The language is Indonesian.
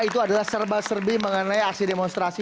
itu adalah serba serbi mengenai aksi demonstrasi